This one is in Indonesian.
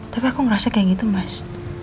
tapi aku ngerasa kayak gitu mas